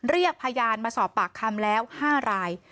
เรียกพยานมาสอบปากคำแล้ว๕ราย